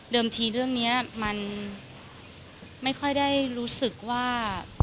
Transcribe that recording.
ทีเรื่องนี้มันไม่ค่อยได้รู้สึกว่า